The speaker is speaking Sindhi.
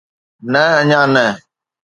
نه اڃا نه